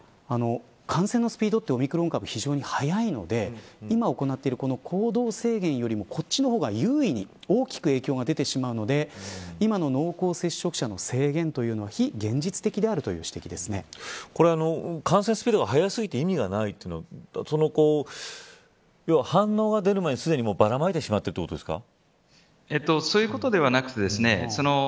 感染のスピードってオミクロン株、非常に早いので今行っている行動制限よりもこっちの方が優位に大きく影響が出てしまうので今の濃厚接触者の制限というのは非現実的であるこれは感染スピードが速すぎて今ではないと反応が出る前にすでにばらまいてしまっているということですか。